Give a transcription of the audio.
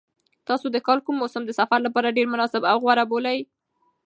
تاسو د کال کوم موسم د سفر لپاره ډېر مناسب او غوره بولئ؟